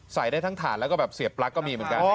ใส่ได้ทั้งถ่านแล้วก็แบบเสียบปลั๊กก็มีเหมือนกัน